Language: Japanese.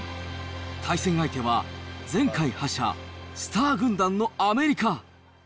対戦相手は前回覇者、スター軍団のアメリカ。